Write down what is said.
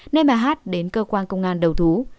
nơi bà hát đến cơ quan công an đầu thú